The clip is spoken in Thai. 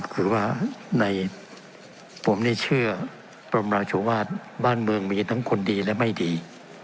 คือว่าในผมนี่เชื่อบรมราชวาสบ้านเมืองมีทั้งคนดีและไม่ดี